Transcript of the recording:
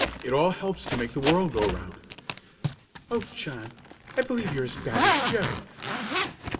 It all helps to make the world go round." "Oh, John! I believe you're as bad as Joe!"